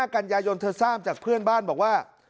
กันยายนเธอทราบจากเพื่อนบ้านบอกว่า